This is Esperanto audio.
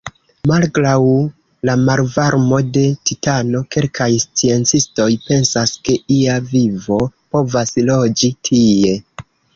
Malgraŭ la malvarmo de Titano, kelkaj sciencistoj pensas, ke ia vivo povas loĝi tie.